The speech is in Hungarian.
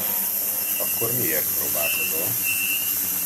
Akkor miért próbálkozol?